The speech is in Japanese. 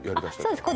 そうです。